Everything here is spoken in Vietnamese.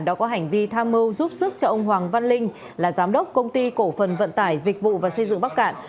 đã có hành vi tham mưu giúp sức cho ông hoàng văn linh là giám đốc công ty cổ phần vận tải dịch vụ và xây dựng bắc cạn